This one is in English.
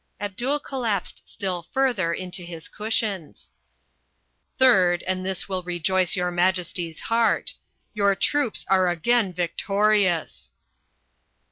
Abdul collapsed still further into his cushions. "Third, and this will rejoice your Majesty's heart: Your troops are again victorious!"